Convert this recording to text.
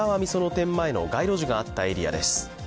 店前の街路樹があったエリアです。